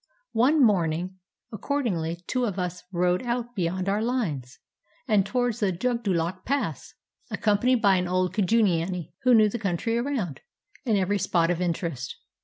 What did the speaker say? One morning accordingly two of us rode out beyond our lines, and towards the Jugdullok Pass, accompanied by an old Kujiani who knew the country around, and every spot of interest.